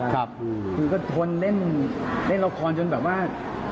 คือก็ทนเล่นละครจนแบบว่า